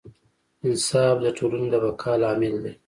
انصاف د ټولنې د بقا لامل دی.